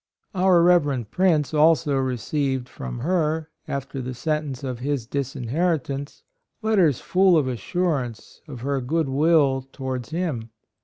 Our Reverend Prince also re ceived from her, after the sentence of his disinheritance, letters full of assurance of her good will towards him.